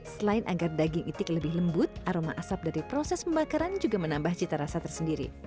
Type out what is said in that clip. selain agar daging itik lebih lembut aroma asap dari proses pembakaran juga menambah cita rasa tersendiri